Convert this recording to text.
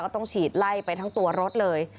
ต้องฉีดไล่ไปทั้งตัวรถเลย